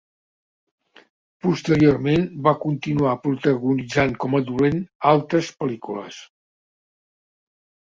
Posteriorment, va continuar protagonitzant com a dolent altres pel·lícules.